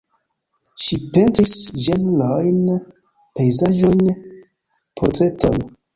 Ŝi pentris ĝenrojn, pejzaĝojn, portretojn.